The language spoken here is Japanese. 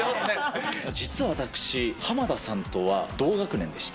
実は私、濱田さんとは同学年でして。